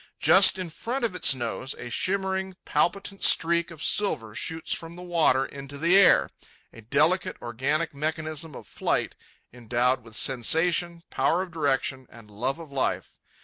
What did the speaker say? Just in front of its nose a shimmering palpitant streak of silver shoots from the water into the air—a delicate, organic mechanism of flight, endowed with sensation, power of direction, and love of life.